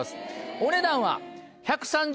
お値段は。